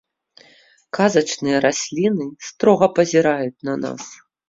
Казачныя расліны строга пазіраюць на нас.